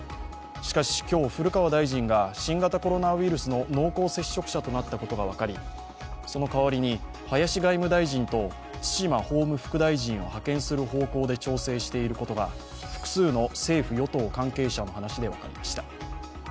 しかし、今日古川大臣が新型コロナウイルスの濃厚接触者となったことが分かりその代わりに林外務大臣と津島法務副大臣を派遣する方向で調整していることが複数の政府・与党関係者の話で分かりました。